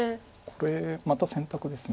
これまた選択です